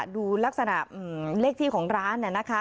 ดูลักษณะเลขที่ของร้าน